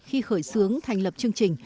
khi khởi xướng thành lập chương trình